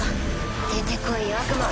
出て来い悪魔